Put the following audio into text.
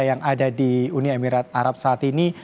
yang ada di uni emirat arab saat ini